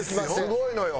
すごいのよ